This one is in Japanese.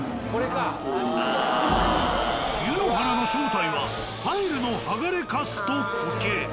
湯の花の正体はタイルの剥がれカスとコケ。